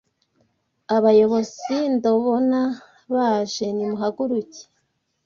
Abayobozi ndobona baje nimuhaguruke